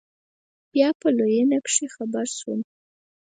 بيا په لوېينه کښې خبر سوم.